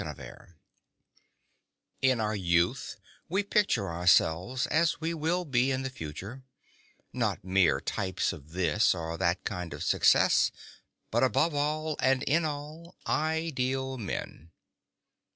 THE ONE In our youth we picture ourselves as we will be in the future not mere types of this or that kind of success, but above all and in all, Ideal Men.